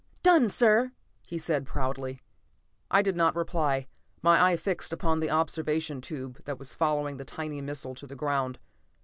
"Done, sir!" he said proudly. I did not reply. My eye fixed upon the observation tube that was following the tiny missile to the ground.